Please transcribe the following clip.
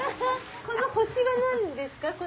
この星は何ですか？